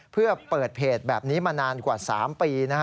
เพื่อเปิดเพจแบบนี้มานานกว่า๓ปี